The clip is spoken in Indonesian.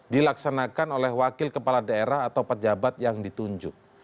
dilaksanakan oleh wakil kepala daerah atau pejabat yang ditunjuk